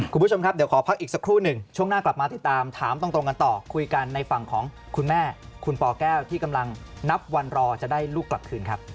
คุณผู้ชมครับเดี๋ยวขอพักอีกสักครู่หนึ่งช่วงหน้ากลับมาติดตามถามตรงกันต่อคุยกันในฝั่งของคุณแม่คุณปแก้วที่กำลังนับวันรอจะได้ลูกกลับคืนครับ